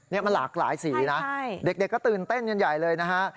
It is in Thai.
นี่มันหลากหลายสีนะเด็กก็ตื่นเต้นกันใหญ่เลยนะฮะ